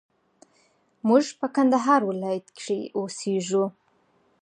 موږ په کندهار ولايت کښي اوسېږو